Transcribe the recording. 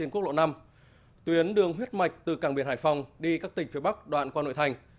tuyến quốc lộ năm tuyến đường huyết mạch từ cảng biển hải phòng đi các tỉnh phía bắc đoạn qua nội thành